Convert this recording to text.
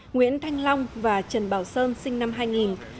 nguyễn thanh long và trần bảo sơn sinh năm hai nghìn